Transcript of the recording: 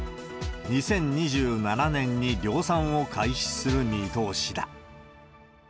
２０２７年に量産を開始する見通しだ。